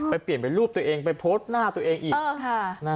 เปลี่ยนเป็นรูปตัวเองไปโพสต์หน้าตัวเองอีก